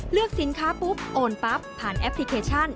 สินค้าปุ๊บโอนปั๊บผ่านแอปพลิเคชัน